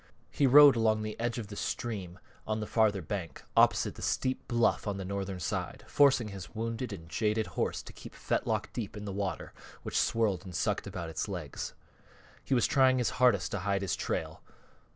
He rode along the edge of the stream on the farther bank, opposite the steep bluff on the northern side, forcing his wounded and jaded horse to keep fetlock deep in the water which swirled and sucked about its legs. He was trying his hardest to hide his trail.